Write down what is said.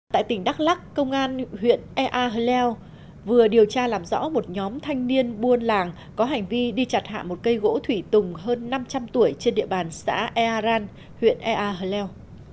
tại tỉnh đắk lắc công an huyện ea hờ leo vừa điều tra làm rõ một nhóm thanh niên buôn làng có hành vi đi chặt hạ một cây gỗ thủy tùng hơn năm trăm linh tuổi trên địa bàn xã ea răn huyện ea hờ leo